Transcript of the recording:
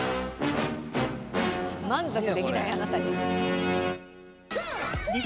「満足できないアナタに！」。